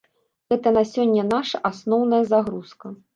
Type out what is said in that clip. Гэта на сёння наша асноўная загрузка.